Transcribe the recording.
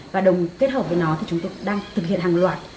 và kết hợp với nó thì chúng tôi đang thực hiện hàng loạt